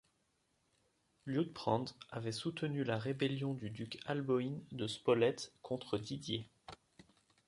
Liutprand avait soutenu la rébellion du duc Alboïn de Spolète contre Didier.